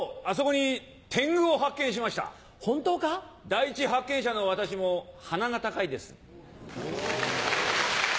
第一発見者の私も鼻が高いです。